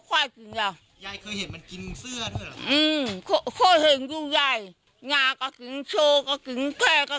อย่างอุ่นล่ะครับคิดว่าควายหัวจะกินเสื้อไหมครับ